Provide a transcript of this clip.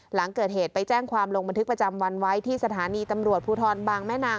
หลังเกิดเหตุไปแจ้งความลงบันทึกประจำวันไว้ที่สถานีตำรวจภูทรบางแม่นาง